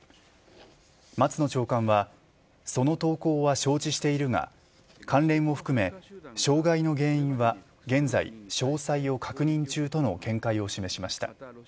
松野長官はその投稿は承知しているが関連を含め、障害の原因は現在、詳細を確認中との見解を示しました。